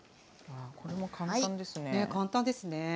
これも簡単ですね。